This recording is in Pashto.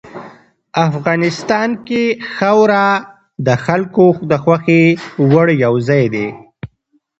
افغانستان کې خاوره د خلکو د خوښې وړ یو ځای دی.